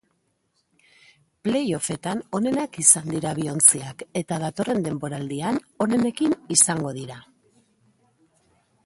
Play offetan onenak izan dira bi ontziak eta datorren denboraldian onenekin izango dira.